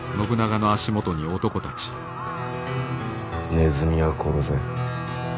ネズミは殺せ。